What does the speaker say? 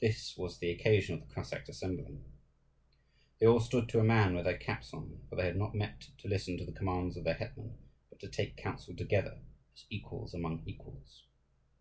This was the occasion of the Cossacks' assembling. They all stood to a man with their caps on; for they had not met to listen to the commands of their hetman, but to take counsel together as equals among equals.